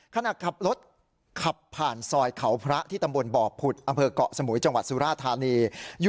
ขณะขับรถขับผ่านซอยเขาพระที่ตำบลบ่อผุดอำเภอกเกาะสมุยจังหวัดสุราธานี